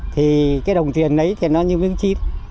thì cái đồng tiền lấy thì nó như miếng chim